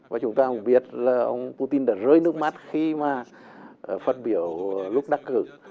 và chúng ta cũng biết là ông putin đã rơi nước mắt khi mà phát biểu lúc đắc cử